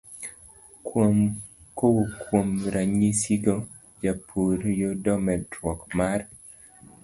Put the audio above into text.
Kowuok kuom ranyisi go, jopur yudo medruok mar